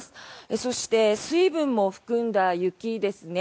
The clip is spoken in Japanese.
そして、水分も含んだ雪ですね。